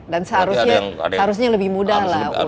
dan seharusnya lebih mudah lah